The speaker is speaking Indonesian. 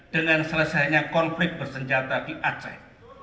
dengan selesainya konflik bersenjata di aceh